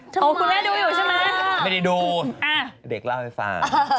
ทำไมอยู่เปล่าไม่ได้ดูเด็กเล่าให้ฟังช่อง